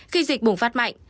khi dịch bùng phát mạnh